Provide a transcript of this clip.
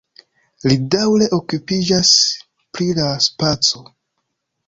Li daŭre okupiĝas pri la spaco.